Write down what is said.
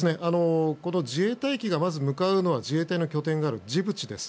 自衛隊機がまず向かうのは自衛隊の拠点があるジブチです。